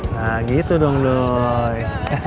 nah gitu dong doi